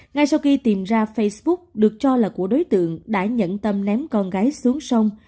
ngay sau khi tìm ra facebook được cho là của đối tượng đã nhận tâm ném con gái xuống sông